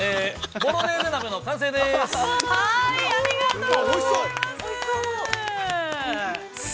◆ボロネーゼ鍋の完成です。